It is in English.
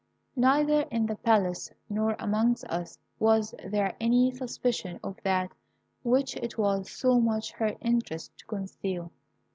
Neither in the palace nor amongst us was there any suspicion of that which it was so much her interest to conceal.